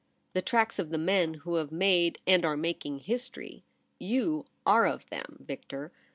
' The tracks of the men who have made and are making history. V021 are of them, Victor.